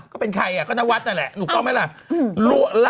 ก็เป็นใครอ่ะผมเป็นนาวัดล่ะนุก็อ้าวไหมล่ะ